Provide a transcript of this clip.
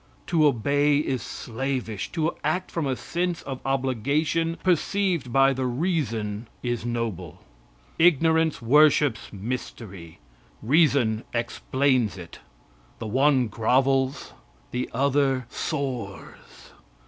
To obey is slavish; to act from a sense of obligation perceived by the reason is noble. Ignorance worships mystery; reason explains it the one grovels, the other soars.